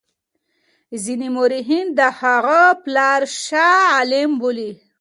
ځیني مورخین د هغه پلار شاه عالم بولي.